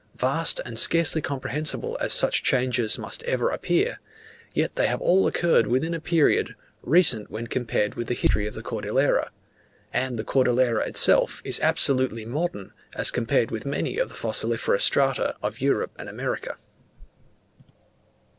Vast, and scarcely comprehensible as such changes must ever appear, yet they have all occurred within a period, recent when compared with the history of the Cordillera; and the Cordillera itself is absolutely modern as compared with many of the fossiliferous strata of Europe and America.